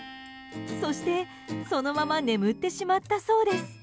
そして、そのまま眠ってしまったそうです。